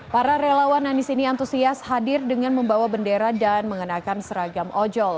para relawan anies ini antusias hadir dengan membawa bendera dan mengenakan seragam ojol